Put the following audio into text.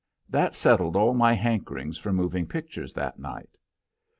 That settled all my hankerings for moving pictures that night.